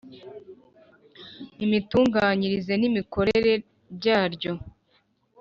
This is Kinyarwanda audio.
imitunganyirize n imikorere byaryo